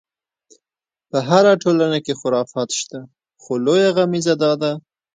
په هره ټولنه کې خرافات شته، خو لویه غمیزه دا ده.